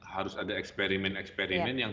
harus ada eksperimen eksperimen yang